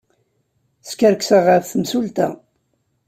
Skerkseɣ ɣef temsulta.